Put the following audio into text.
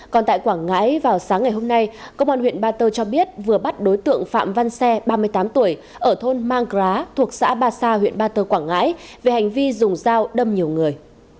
còn tại quảng ngãi vào sáng ngày hôm nay công an huyện ba tơ cho biết vừa bắt đối tượng phạm văn xe ba mươi tám tuổi ở thôn mang gá thuộc xã ba sa huyện ba tơ quảng ngãi về hành vi dùng dao đâm nhiều người